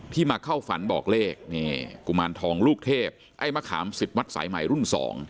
ที่มาเข้าฝันบอกเลขกุมารทองลูกเทพไอ้มะขาม๑๐วัดสายใหม่รุ่น๒